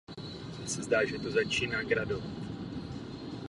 Prostřední anděl představuje Krista.